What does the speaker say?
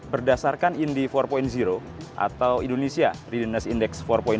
berdasarkan indi empat atau indonesia readiness index empat